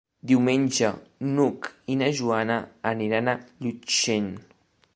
Diumenge n'Hug i na Joana aniran a Llutxent.